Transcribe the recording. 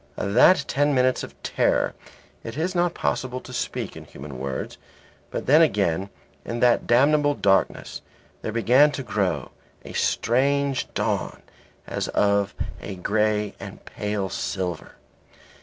Of that ten minutes of terror it is not possible to speak in human words. But then again in that damnable darkness there began to grow a strange dawn as of grey and pale silver.